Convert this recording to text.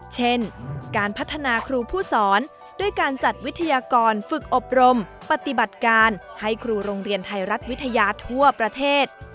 เช่นการพัฒนาครูผู้สอนด้วยการจัดวิทยากรฝึกอบรมปฏิบัติการให้ครูโรงเรียนไทยรัฐวิทยาทั่วประเทศ